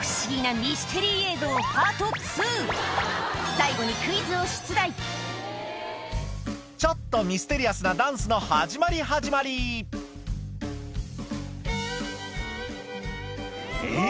最後にちょっとミステリアスなダンスの始まり始まりえっ？